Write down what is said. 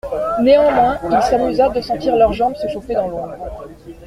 Néanmoins il s'amusa de sentir leurs jambes se chauffer dans l'ombre.